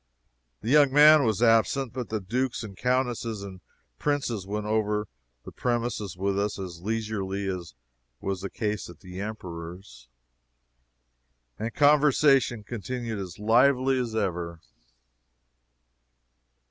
The young man was absent, but the Dukes and Countesses and Princes went over the premises with us as leisurely as was the case at the Emperor's, and conversation continued as lively as ever.